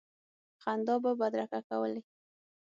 خندا به بدرګه کولې.